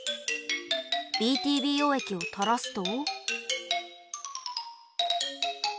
ＢＴＢ溶液をたらすと。